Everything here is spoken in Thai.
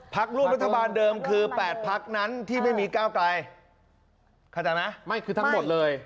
ร่วมรัฐบาลเดิมคือ๘พักนั้นที่ไม่มีก้าวไกลเข้าใจไหมไม่คือทั้งหมดเลย